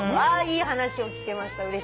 あいい話を聞けました。